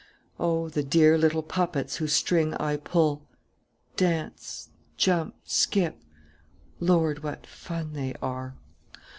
"Oh, the dear little puppets whose string I pull! Dance! Jump! Skip! Lord, what fun they are!